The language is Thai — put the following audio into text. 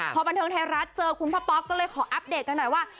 พอบันเทิงไทยรัฐเจอคุณพ่อป๊อกก็เลยขออัปเดตกันหน่อยว่า